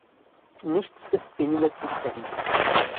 Nichts ist weniger zutreffend.